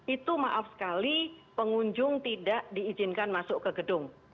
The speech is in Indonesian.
itu maaf sekali pengunjung tidak diizinkan masuk ke gedung